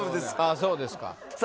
そうですかさあ